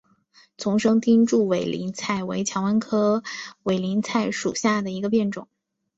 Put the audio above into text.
丛生钉柱委陵菜为蔷薇科委陵菜属下的一个变种。